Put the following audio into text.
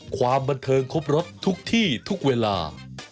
ความบันเทิงครบรถทุกที่ทุกเวลา